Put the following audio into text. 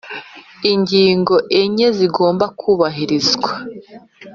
ingingo enye zigomba kubahirizwa